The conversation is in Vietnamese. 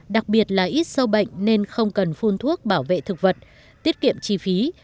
đặc biệt là ít sâu bệnh nên không cần phun thuốc bảo vệ thực vật tiết kiệm chi phí